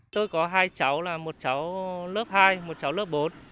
tôi có hai cháu là một cháu lớp hai một cháu lớp bốn